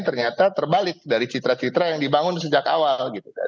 ternyata terbalik dari citra citra yang dibangun sejak awal